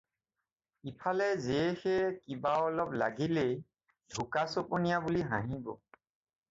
ইফালে যেয়ে সেয়ে কিবা অলপ লাগিলেই ঢোকা চপনীয়া বুলি হাঁহিব।